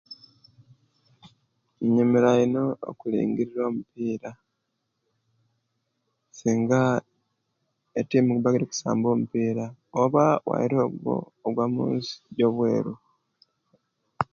Nyumiruwa ino okulingirira omupira singa etimu jiba jiri kusamba omupira oba waite oguwo ogwamunsi ejobweru